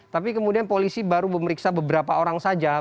tapi kemudian polisi baru memeriksa beberapa orang saja